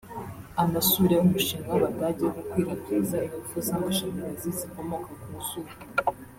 anasure umushinga w’Abadage wo gukwirakwiza ingufu z’amashanyarazi zikomoka ku zuba